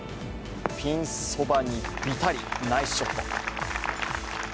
ピンそばにピタリ、ナイスショット